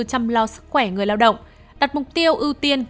chăm lo sức khỏe người lao động đặt mục tiêu ưu tiên